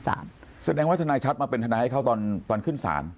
แสดงว่าทนายชัดมาเป็นทนายให้เขาตอนขึ้นศาล